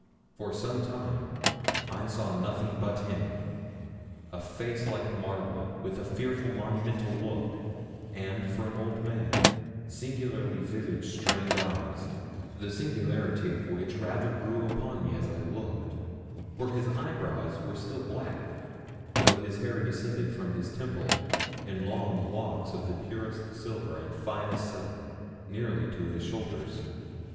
For some time I saw nothing but him. A face like marble, with a fearful monumental look, and, for an old man, singularly vivid strange eyes, the singularity of which rather grew upon me as I looked; for his eyebrows were still black, though his hair descended from his temples in long locks of the purest silver and fine as silk, nearly to his shoulders.